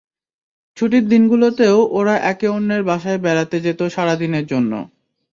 ছুটির দিনগুলোতেও ওরা একে অন্যের বাসায় বেড়াতে যেত সারা দিনের জন্য।